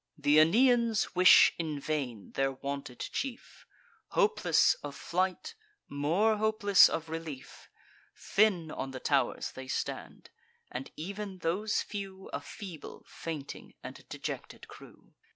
Th' Aeneans wish in vain their wanted chief, Hopeless of flight, more hopeless of relief. Thin on the tow'rs they stand; and ev'n those few A feeble, fainting, and dejected crew.